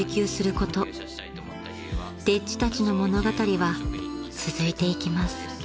［丁稚たちの物語は続いていきます］